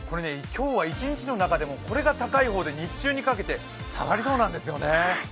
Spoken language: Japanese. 今日は、一日の中でも、これが高い方で日中にかけて下がりそうなんですよね。